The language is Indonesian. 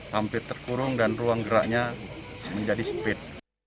sempit terkurung dan ruang geraknya menjadi sempit